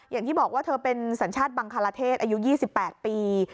อย่างที่บอกว่าเธอเป็นสัญชาติบังคลาเทศอายุ๒๘ปี